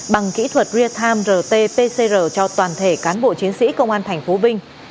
bằng kỹ thuật rear time rt pcr cho toàn thể cán bộ chiến sĩ công an tp vinh